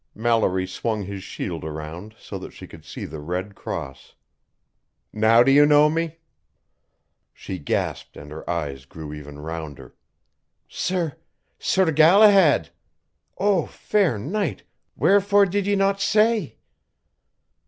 Mallory swung his shield around so that she could see the red cross. "Now do you know me?" She gasped, and her eyes grew even rounder. "Sir ... Sir Galahad! Oh, fair knight, wherefore did ye not say?"